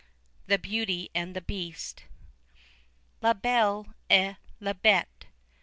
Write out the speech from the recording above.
THE BEAUTY AND THE BEAST. _La Belle et la Bête.